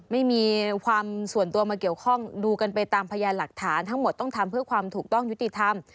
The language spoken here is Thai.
ไม่มีความส่วนตัวมาเกี่ยวข้องดูกันไปตามพยานหลักฐานทั้งหมดต้องทำเพื่อความถูกต้องยุติธรรม